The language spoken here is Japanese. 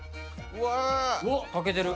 うわっ炊けてる。